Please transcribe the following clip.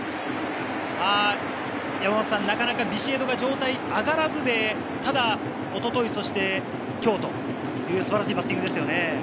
なかなか、ビシエドの状態が上がらずで、ただ一昨日・今日と、素晴らしいバッティングですよね。